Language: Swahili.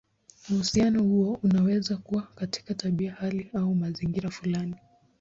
Uhusiano huo unaweza kuwa katika tabia, hali, au mazingira fulani.